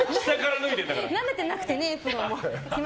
慣れてなくてね、エプロンも。